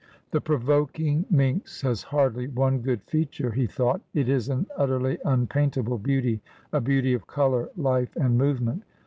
' The provoking minx has hardly one good feature,' he thought. ' It is an utterly unpaintable beauty — a beauty of colour, life, and movement.